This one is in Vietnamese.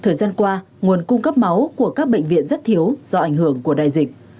thời gian qua nguồn cung cấp máu của các bệnh viện rất thiếu do ảnh hưởng của đại dịch